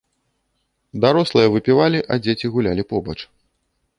Дарослыя выпівалі, а дзеці гулялі побач.